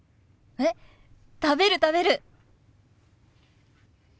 えっ食べる食べる！